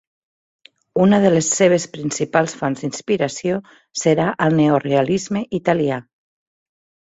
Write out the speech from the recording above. Una de les seves principals fonts d'inspiració serà el neorealisme italià.